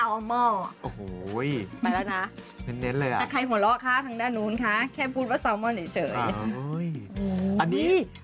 อันนี้